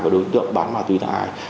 và đối tượng bán ma túy là ai